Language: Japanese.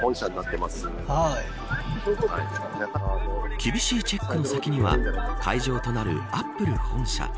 厳しいチェックの先には会場となるアップル本社。